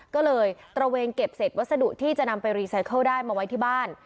ก็เลยตระเวนเก็บเศษวัสดุที่จะนำไปรีไซเคิลได้มาไว้ที่บ้าน